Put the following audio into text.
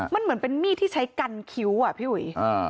มันเหมือนเป็นมีดที่ใช้กันคิ้วอ่ะพี่อุ๋ย